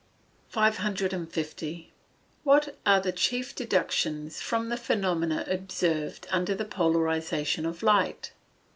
550. _What are the chief deductions from the phenomena observed under the polarization of light?